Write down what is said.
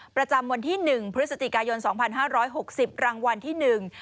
ประจำวันที่๑พฤศจิกายน๒๕๖๐รางวัลที่๑๕๓๓๗๒๖